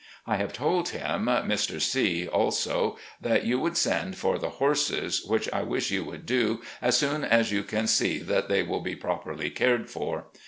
I have told him, Mr. C , also, that you would send for the horses, which I wish you would do as soon as you can see that they will be properly cared for.